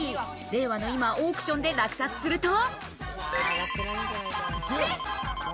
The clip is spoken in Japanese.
令和の今、オークションで落札すると。